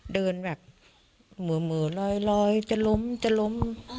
เดินแบบเหม่อลอยจะล้มจะล้ม